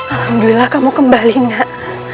alhamdulillah kamu kembali nak